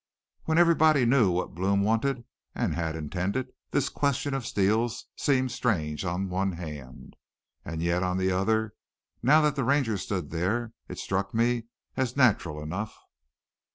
"When everybody knew what Blome wanted and had intended, this question of Steele's seemed strange on one hand. An' yet on the other, now that the Ranger stood there, it struck me as natural enough.